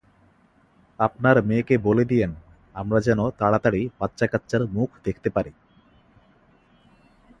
আপনাদের মেয়েকে বলে দিয়েন, আমরা যেন তাড়াতাড়ি বাচ্চাকাচ্চার মুখ দেখতে পারি।